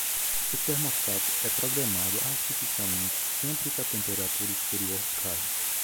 O termostato é programado artificialmente sempre que a temperatura exterior cai